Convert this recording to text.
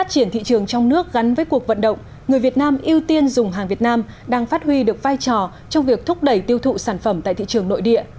trong thị trường trong nước gắn với cuộc vận động người việt nam ưu tiên dùng hàng việt nam đang phát huy được vai trò trong việc thúc đẩy tiêu thụ sản phẩm tại thị trường nội địa